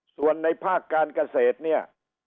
ส่วนในภาคการเกษตรเนี่ย